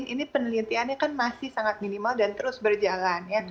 ini penelitiannya kan masih sangat minimal dan terus berjalan